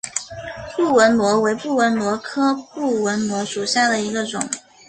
布纹螺为布纹螺科布纹螺属下的一个种。